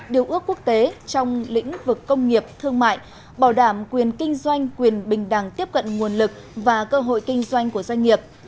điều ước quốc tế trong lĩnh vực công nghiệp thương mại bảo đảm quyền kinh doanh quyền bình đẳng tiếp cận nguồn lực và cơ hội kinh doanh của doanh nghiệp